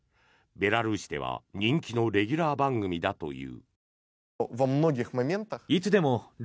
ベラルーシでは人気のレギュラー番組だという。